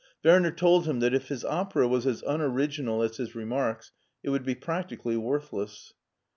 Werner told him that if his opera was as unoriginal as his remarks it would be practically worthless.